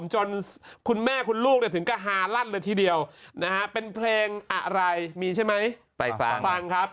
จนคุณแม่คุณลูกถึงกระฮาลัดเลยทีเดียวเป็นเพลงอะไรมีใช่ไหมฟังครับ